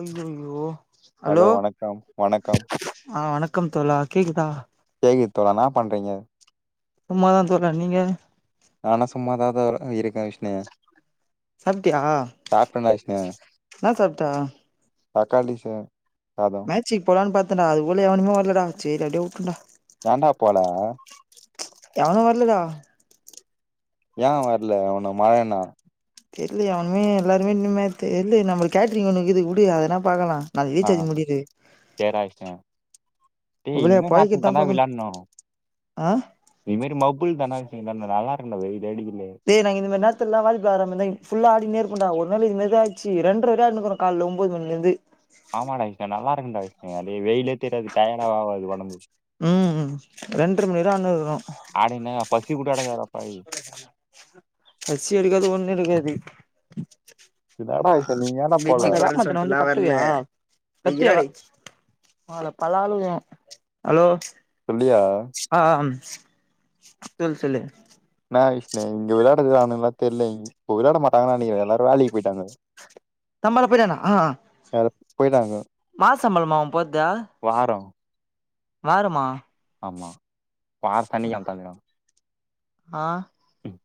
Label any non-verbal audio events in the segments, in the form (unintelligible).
அய்யய்யோ hello hello வணக்கம் வணக்கம் ஆ வணக்கம் தோழா கேக்குதா கேக்குது தோழா என்னா பண்றீங்க சும்மாதா தோழா நீங்க நானொ சும்மாதா தா இருக்கே விஷ்ணு சாப்ட்டியா சாப்ட்டேன்டா விஷ்ணு என்னா சாப்ட்ட தக்காளி சா சாதம் மேச்சிக்கு போலான்னு பாத்தென்டா அது போல எவனுமே வர்லடா சேரி அப்டியே வுட்டேன்டா ஏன்டா போல எவனு வர்லடா யே வர்ல ஒன்னு மழனா தெர்லயே அவனுமே எல்லாருமே இனிமே தெர்லயே நம்மள் கேட்ரிங் ஒன்னுகிது வுடு அதனா பாக்கலா நாளைக்கு ஆ ரீசார்ச்சு முடியுது சேர்ரா விஷ்ணு டேய் இவளே இனிமே நேரத்துக்கு புழைக்குத்தா தான்டா பாகணு ஆ இதுமேரி மபு (unintelligible) டே நாங்க இந்த மாரி நேர்த்துலலா வேலக்கு வராமருந்தா ஃபுல்லா ஆடிண்ணே இருப்போ டா ஒரு நாளு இதுமாரி தா ஆச்சு ரெண்டுரரை ஆடிண்ணே இருக்றோ கால்ல ஒம்போது மணிலேருந்து ஆமாண்டா கிஷ்ணா நல்லாயிருக்குண்டா அப்பியே வெயிலே தெரியாது டயடா ஆவாது உடம்பு ம் ரெண்டரை மணிரை ஆடின்னுகிறோ அடினே பசி கூட அடங்காது டா பாவி பசி எடுக்காது ஒண்ணு எடுக்காது என்னடா விஷ்ணு நீங்க ஏன்டா போல (unintelligible) (unintelligible) ஹலோ சொல்லுயா ஆ ஆ அம் சொல் சொல்லு என்னா விஷ்ணு இங்க விளையாடுதுறானனுகளா தெரில இப்ப விளாட மாட்டாங்கன்ன நெனக்கிறே ப வேலிக்கு போயிட்டாங்க வேல போயிட்டாங்க மாஸ்சம்பளமா அவ போற்த்து வார வாரமா ஆமா பார் தனியா தந்துகுறாங் ஆ ம்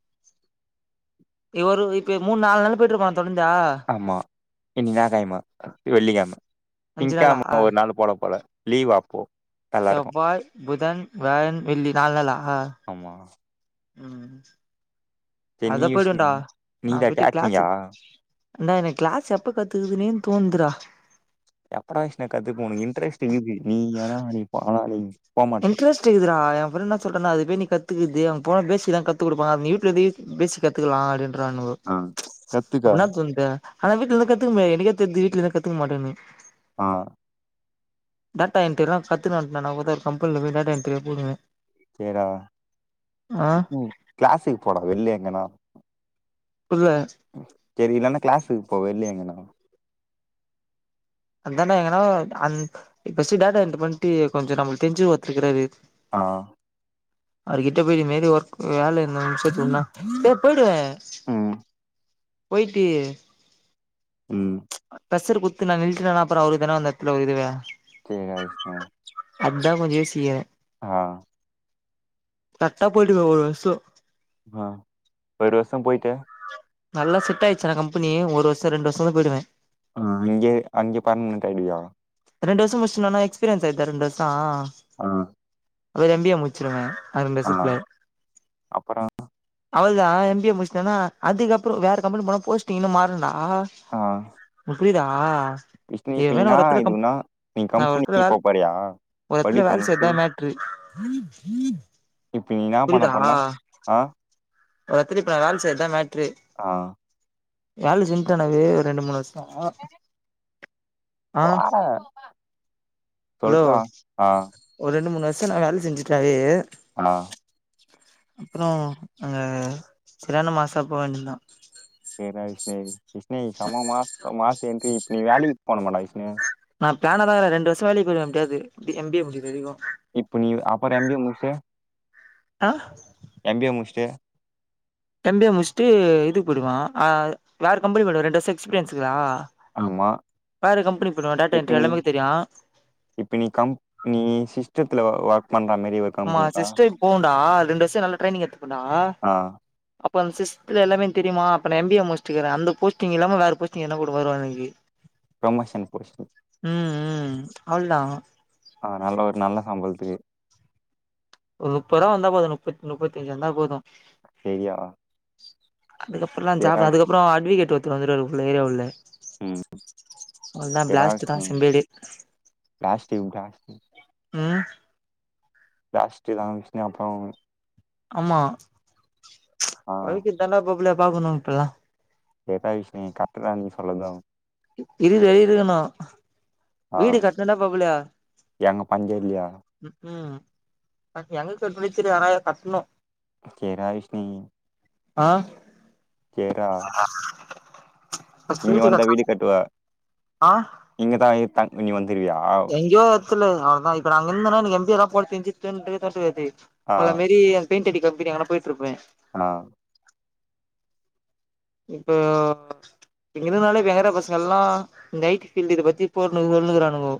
இவரு இப்ப மூணு நால் நாளா போயிட்டுப்பானா தொடர்ந்த ஆமா இன்னிக்கின்னா கிழம வெள்ளிக்கிழம அஞ்சு நாளா ஆ திங்க்கிழம ஒரு நாள் போல போல லீவா அப்போ நல்லா இருக்கு செவ்வாய் புதன் வியாழன் வெள்ளி நாலு நாளா ஆமா ம் சரி நீ அதா விஷ்ணு போய்டன்டா நா நீதா போயட்டு கேட்ரிங்கா கிளாஸ்சு ஆனா எனக் கிளாஸ் எப்ப கத்துக்குதுனே தோந்துறா எப்படா விஷ்ணு கத்து போகு இன்ட்ரெஸ்ட் இருக்கு நீ ஏனா இப்ப ஆனா போமாட்ற இன்ட்ரஸ் ட் க்குதுடா ஏ ஃப்ரண்ட் என்ன சொல்றானா அத பேய் நீ கத்துக்குது அவ போனா பேசிக் தா கத்து குடுப்பா நீ வீட்லந்தே பேசிக் கத்துக்கலா அப்பனு ஆ (unintelligible) கத்துக்கா அப்டினா (unintelligible) ஆனா வீட்லந்து கத்துக்க முயாது எனக்கே தெரிது வீட்லந்து கத்துக்க மாட்டேனு ஆ டேட்டா என்ட்ரிலா கத்துணுவன்ட்டு நா ஒரு ஒரு கம்பெனில போய் டேட்டா என்ட்ரியா போடுவ சேர்றா கிளாஸுக்கு போடா வெள்ல எங்கனா புல்ல சரி இல்லனா கிளாஸுக்கு போ வெள்ல எங்கனா அதான்டா எங்கனா அன் பஸ்ட் டேட்டா என்ட்ரி பண்ட்டு கொஞ்சோ நம்மளுக் தெரிஞ்ச ஒத்தருக்காரு ஆ அவருகிட்ட போயிட்டு மேரி ஒர்க் வேல எதாது சேத்து உடுனா ஏ போயிடுவே ம் போயிட்டு ம் கஸ்சர் குத்து நாங்க வீட்லல்லா அப்றோ அவரு தன வந்து அத்தல ஒரு இதுவே சேரி (unintelligible) அதா கொஞ்ச யோசிக்றே ஆ கர்ட்டா போயிடுவே ஒரு வர்ஷோ ஆ ஒரு வர்ஷோ போயிட்டு நல்ல செட் ஆயிச்சுனா கம்பெனி ஒரு வர்ஷா ரெண்டு வர்ஷதா போயிடுவே ஆ இங்கே அங்கே பெர்மனன்ட் ஆயிடுவியா ரெண்டு வர்ஷோ முஸ்டனோனா எக்ஸ்பீரியன்ஸ் ஆயிருதா ரெண்டு வர்ஷோ ஆ அவரு எம் பி ஏ முச்சிருவே ரெண்டு ஆ. வர்சத்துல அப்புறம் அவ்ளதா எம் பி ஏ முஸ்டனா அதுக்கப்றோ வேற கம்பெனி போன போஸ்டிங் இன்னு மாறுன்டா உனக் புரிதா விஷ்னீப்பீங்னா இதுன்னா நீ நா ஒரு எடத்துல கம்பெனிக்கு வேல போப்போறியா ஒரு எத்துல வேல செய்றதா மேட்ரு இப்ப நீ இன்னா புரியுதா பண்ணப்போறனா ஆ ஒரு எத்துல இப்ப வேல செய்றதா மேட்ரு ஆ வேல செஞ்ட்டானாவே ரெண்டு மூணு வர்ஷோ ஆ போடா அலோ சொல்றா. ஆ ஒரு ரெண்டு மூணு வர்ஷோ நா வேல செஞ்சுட்டாவே ஆ அப்றோ அங்க செரியான மாஸ்சா போ வேண்டியதா சேர்ரா விஷ்ணு விஷ்ணய் செம மா மாஸ் என்ட்ரி இப் நீ வேலைக்கு போனுமாடா விஷ்ணு நா பிளானதாருக்குறே ரெண்டு வர்ஷோ வேலைக் போய்டுவே எப்டியாவது எம் பி ஏ முடியகிற வரைக்கு இப்ப நீ அப்பற எம் பி ஏ முஸ்ட்டு ஆ எம் பி ஏ முஸ்ட்டு எம் பி ஏ முஸ்ட்டு இதுக்கு போய்டுவே அ வேற கம்பெனி போடுவே ரெண்டு வர்ஷா எக்ஸ்பீரியன்ஸ் இருக்குல ஆமா. வேற கம்பெனி போய்டுவே டேட்டா இப்ப எண்ட்ரி நீ எல்லாமேக்கு தெரியு இப்ப நீ கம் நீ சிஸ்டத்துல ஒர்க் பண்ற மாரி ஒர்க் ஆமா சிஸ்ட இப்போவ்ண்டா ரெண்டு வர்ஷோ நல்ல ட்ரைனிங் எத்துபண்டா ஆ அப்போ அந்த சிஸ்ட்த்துல எல்லாமே எனக் தெரிமா அப்ப நா எம் பி ஏ முஸ்ட்டுக்குறே அந்த போஸ்டிங் இல்லாம வேற போஸ்டிங் எதுனா போட்டு போய்ருவா எனக்கி புரோமோஷன் போஸ்டிங் ம் ம் அவள்தா ஆனாலு ஒரு நல்ல சம்பளத்துக்கு ஒரு முப்பது ரூவா வந்தா போது முப்பித் முப்பத்தி அஞ்சு வந்தா போது செரியா அதுக்கப்பறல்லா ஜாப் அதுக்கப்பற அட்வேகேட் ஒருத்தரு வந்துருவாரு உள்ள ஏரியா உள்ள ம் அவ்ளதா ஜெராக்ஸ் பிளாஸ்ட்டுதா செம்பேடே பிளாஸ்டிக் பிளாஸ்டிக் ம் பிளாஸ்ட்டுதா தா விஷ்ணு அப்றோ ஆமா ஆ பொழைக்கிறதாண்டா மாப்புள பாக்கணு இப்பல்லா செரிடா விஷ்ணு கர்ட்டுதா நீ சொல்லது இது வெளி இருக்கணு ஆ வீடு கட்னதா பாப்பலையா எங்க பஞ்சம் இல்லையா உம் எங்களுக்கு பிடிச்சுரு ஆனா இத கட்டணு சேர் ரா விஷ்ணி ஆ (unintelligible) இங்க வந்தா வீடு கட்டுவ இங்கதா இங்கவந்திருவியா எங்கேயோ எத்துல அவதா இப்ப நா அங்க இருந்தனா எனக்கு எம்பிரா போஞ்சிட்டு (unintelligible) ஆ உங்கள மேரி பெயிண்ட் அடி கம்பனி அங்கன போயிடுருப்பேன் ஆ இப்போ ங்க இருந்தாலே விளையாடுர பசங்க எல்லாம் நைட் பீல்டு இத பத்தி போட்டு சொல்லுங்கிறானுங்க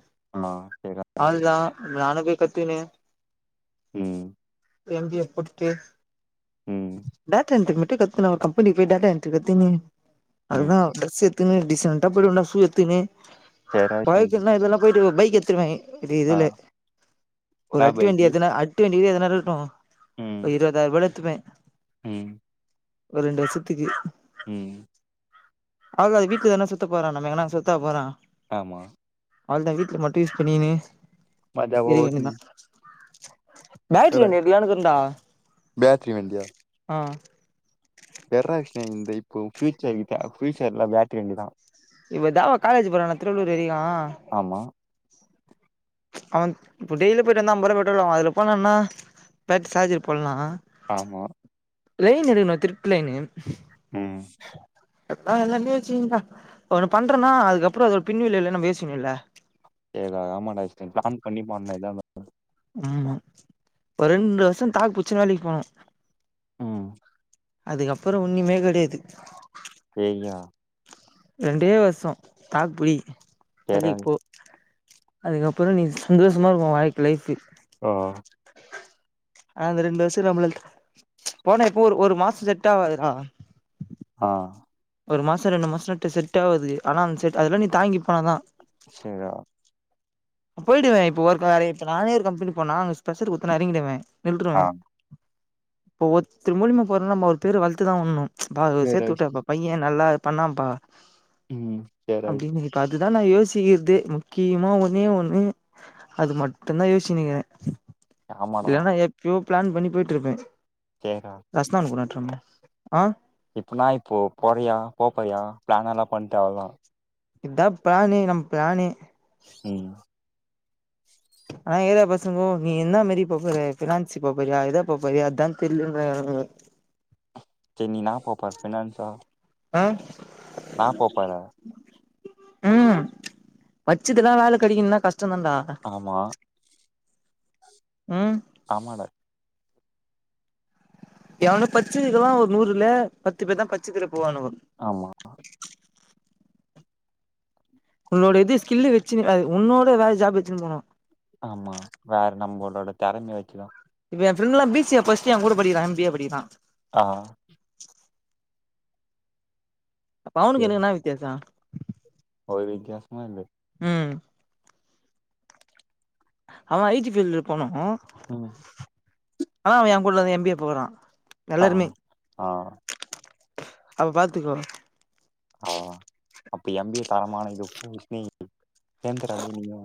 ஆ செரி டா அவளோ தா நானும் போய் பத்துகினு ம் எம் எ போட்டுட்டு ம் டாடா என்ட் மட்டும் கத்துனு கம்பெனி போய் டாடன் கத்துனு ம் அவளோ தா டிரெஸ் எடுதுன்னு டிசெண்டா போய்டுவடா ஷு எடுதுன்னு சரிடா விஷ்ணு பழைக்குன இதெல்லா போயிட்டு பைக் எத்துடுவே இப்ப இது ஆ இல்ல ஒரு நான் அட்டுவண்டி பைக்கி எத்தன அட்டு வண்டி எத்தன இருக்கு ம் ஒரு இருவதாயிர ரூபால எடுத்துபே ம் ஒரு ரெண்டுவருசத்துக்கு ம் ஆக அது வீட்டுக்கு என்ன சுத்த போறானாமே எங்க நா சுத்த போரா ஆமா அவள்தா வீட்டுல மட்டும் யூஸ் பண்ணின்னு மஜாவா இருக்க வேண்டி தா ஓட்டணும் என்னடா பேட்ட்ரியநே தியானுக்கு உண்டா பேட்டரி ஆ பெற்றா கிருஷ்ணே இந்த இப்போ பியூச்சர் கிட்ட ஃபியூச்சர் எல்ல பேட்டரி வண்டிதா இவ தா காலேஜ் போறானா திருவள்ளர் வேலிதா ஆமா அவ இப்ப டெய்லி போயிட்டு வந்து அம்பது ரூபா பெட்ரோல் ஆவு அதுல போன்னா பேட்டரி சார்ஜ் போடலா ஆமா லைன் எடுக்கணு திருட்டு லைனு ம் எல்லா மே வச்சுானா ஒன்னு பண்றேன்னா அதுக்கப்பறம் அதோட பின்விளைவு நம்ம யோசிக்கணு இல்ல ச ஆமாடா அஷ்வின் பிளான் பண்ணி பண்ணனு ஏதா ம் ஒரு ரெண்டு வருஷம் தாக்கு புச்சன வேலக்கு போனோம் ம் அதுக்கப்பறம் ஒன்னிமே கெடையாது ஏ யா ரெண்டே வருஷ தாக்கு புடி சேரா வேலைக்கு போ அதுக்கப்புறம் நீ சந்தோஷமா இருக்கும் வாழ்க்க லைஃப் ஓ ஆனா அந்த ரெண்டு வருஷக்கு நம்மள போனா இப்போ ஒரு ஒரு மாசம் செட் ஆவது டா ஆ ஒரு மாசம் ரெண்டு மாசம் நட்டு செட் ஆவாது ஆனால் அந்த செட் அதெல்லாம் நீ தங்கி போனா தான் செரிட போயிடுவேன் இப்ப ஒர்க் நேறே இருத்குனா நானே ஒரு கம்பெனி சொன்னேன் நான் பெஷர் குத்த எறங்கி பெய்டுவேன் ஆ நில்ருவேன் இப்போ ஒரு திருமூலிமா போகிறேன்னா நம்ம ஒரு பேர் வளர்த்துதான் உடணும் பா சேரா சேத்து விஷ்ணு விட்டா பையன் நல்லா பண்ணாம்ப்பா ம் சேரா விஷ்ணு அப்டின்னு இப்ப அதுதான் நான் யோசிக்கிறதே முக்கியமா ஒண்ணே ஒண்ணு அது மட்டும் தான் யோச்சி நிக்கிறேன் ஆமாடா இல்லேன்னா எப் யோ ப்ளாண் பண்ண போயிட்டுருப்பேன் செர்ட ரஷ்னா ஒண்ணு குடேன் டரம் ஆ இப்பனா இப்போ போறியா போ போறியா பிளான் எல்லாம் பண்ணிட்டு அதான் இத பிளாணே நம் பிளாணே ம் ஆனா ஏரியா பசங்கோ நீ என்ன மாரி போ போற பினான்சி போப்போறியா ஏதோ போப்போறியா அதான் தெரிலேங்கற செரி நீ என்னா போ போர ஃபினன்ஸா ஆ நான் போ போப்போறேன் ம் பச்சதுல்லாம் வேல கடைக்கண்னா கஷ்டம் தான்டா ஆமா ம் ஆமாட எவானு பச்சதுக்கேல்லாம் ஒரு நூறுல பத்து பேரு தான் பச்சதில போவானு ஆமா உன்னோட எது ஸ்கில்லு வெச்சு உன்னோட ஏதாவது ஜாப் வெச்சு போனோம் ஆமா வேற நம்மளோட திறமைய வெச்சுல்லா இப்ப என் ஃபரெண்லா பி சி ஏ படிச்சிட்டு என் கூட படிகிறான் எம் பி ஏ படிகிறான் ஆ இப்ப அவுனுக்கு சரி எனக்கு என்னா வித்தியாச ஒரு வித்யாசமும் இல்ல ம் அவன் ஐ டி ஃபீல்டல போனோம் ம் ஆனா அவன் என் கூடலந்து எம் பி ஏ போறான் ஆ எல்லாருமே ஆ அப்ப பாத்துக்கோ ஆ அப்ப எம் பி ஏ தரமான இதுப்பஷினே எந்திரட நீயு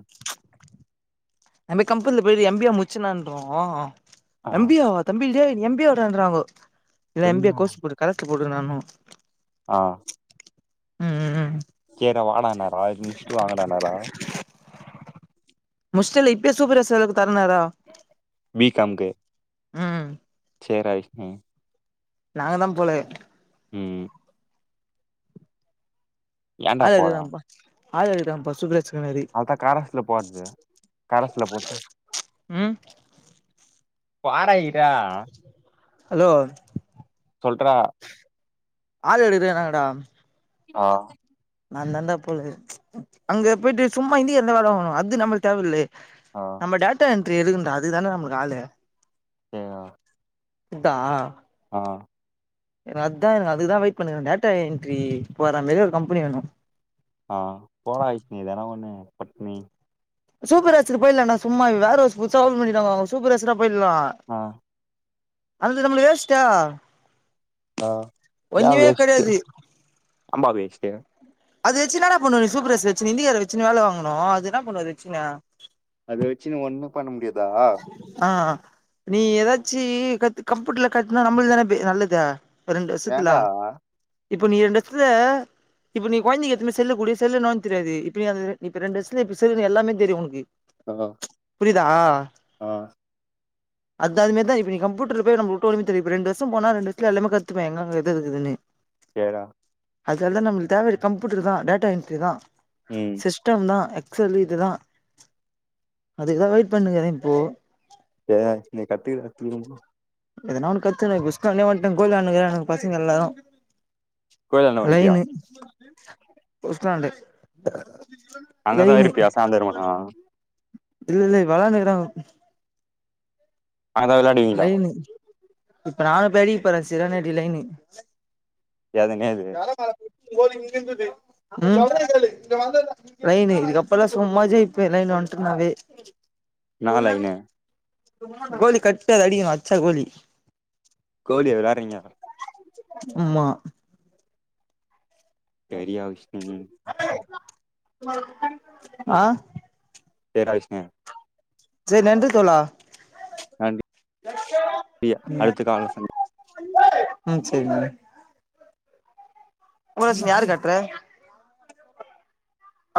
நம்ப கம்பெனில போயர் எம் பி ஏ முடிச்சுனான்றோ எம் பி‌ ஏ ஆ தம்பி எம் பி ஏ டா எழுதானாங்கோ இல்ல எம் பி ஏ என்ன கோர்ஸ் போடு கரெச்ச்ட போட்டு இருக்க நானும் ஆ ம் ம் ம் செரிட வாடனாரா முஷ்டி வங்கடனாரா முஸ்டலே இப்பேயே சூப்பர் செல்லு குத்தரானார வி கம் கு ம் சேரா விஷ்ணு நாங்க தான் போல ம் ஏன்டா போற அதுதாம்பா அதுதாம்பா சுபேஷ் அதா காராஸ்ல போறது கரஸ்ல போட்டு ம் பாரயிரா ஹலோ சொல்றா ஆளு எடுக்குறன்னாங்கடா ஆ நா தான்டா போல அங்க போயிட்டு சும்மா இந்திகார தா வேல வாங்குவானுவோ அது நம்மள் தேவயில்லே அ நம்ம டேட்டா என்ட்ரி எதுகுன்றா அதுக்கு தான்டா நம்ளுக்கு ஆளு ம் இதா அ ஏன அதா எனக்கு அதுதா வெயிட் பண்ணிகுற டேட்டா என்ட்ரி போற மேறி ஒரு கம்பெனி வேணு ஆ கோவா ஐஸ்கிரீம் வேணா ஒண்ணு பட்னி சூப்பர்வைசர் போய்லா நா சும்மா வேற ஒரு புதுசா ஓப்பன் பண்ணிட்டாங்க அங்க சூப்பர்வைசரா போய்ட்லா ஆ அது நம்ளு வேஸ்ட்டா ஆ ஒன்னுமே கடையாது அம்மா வேஷ்ட்டு அது வச்சு என்னாடா பண்ணுவ நீ சூப்பர்வைசர் வச்சுனு இந்திகாரன வச்சுனு வேல வாங்கணு அது என்னா பண்ணுவ அத வச்சினு அத வச்சுனு ஒண்ணும் பண்ண முடியாதா ஆ நீ ஏதாச்சி கத்து கம்ப்யூட்டர்ல கத்துனா நம்மளுக் தான நல்லது ரெண்டு வருஷத்துல வேண்டா இப்ப நீ ரெண்டு வருஷத்துல இப்ப நீ கொழந்தைக்கு எத்துனு போய் செல்ல குடு செல்லு நோண்ட தெரியாது இப்பயு அதுதா நீ இப்ப ரெண்டு வருஷத்துல இப்ப செல்லுன்னு எல்லாமே தெரியு உனக்கு ஆ புரியுதா ஆ அது அதுமேர்தா இப்ப நீ கம்ப்யூட்டர்ல போய் நம்மள உட்டோனுமே தெரியு இப்ப ரெண்டு வருஷோ போனா ரெண்டு வருஷத்துல எல்லாமே கத்துப்ப எங்கங்க எது எது இருக்குனு தேதா அது வந்து நம்மளுக்கு தேவையே கம்ப்யூட்டர் தா டேட்டா என்ட்ரி தா ம் சிஸ்டம் தா எக்ஸ் எல் இது தா அதுக்கு தா வெயிட் பண்ணுக்கிற இப்போ ஏ நீ கத்துக்க கத்துகனுமா எதனா ஒன்னு கத்துகனு புஷ்கோனே ஒருத்த‌ கோலி ஆட்டுக்குறானுக பசங்க எல்லாரு கோயிலாண்ட வன்ட்டியா லைனு புஸ்லாண்டு அங்கதா இருப்பியா சாந்தரமானா இல்ல இல்ல வெளானேதா அங்க எதா லைனு இப்ப நானு போய் அடிக்க போறே சிற நைடி லைனு எது நேது யாரோ மேல (unintelligible) இங்க இருந்துது உ லைனு இதுக்கப்பலா சும்மாஜே இருப்ப லைனு வந்துட்டுனாவே இன்னிக்கி என்னா லைனு கோலி கர்ட்டா அத அடிக்கணு அட்ச்சா கோலி கோலி வெளையாறீங்க ம்மா தெரியா விஷ்ணு ஆ தெரா விஷ்ணு சரி நன்றி தோழா லி அடுத்த கால்ல சந் ம் சரிங்க (inaudible) யாரு கட்ற